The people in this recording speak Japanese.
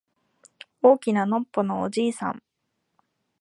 大きなのっぽのおじいさん